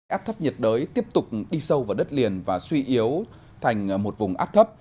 áp thấp nhiệt đới tiếp tục đi sâu vào đất liền và suy yếu thành một vùng áp thấp